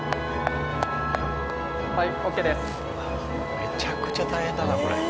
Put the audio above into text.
めちゃくちゃ大変だなこれ。